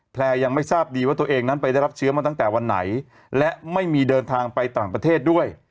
ยังไม่ทราบดีว่าตัวเองนั้นไปได้รับเชื้อมาตั้งแต่วันไหนและไม่มีเดินทางไปต่างประเทศด้วย